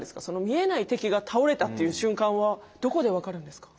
見えない敵が倒れたっていう瞬間はどこで分かるんですか？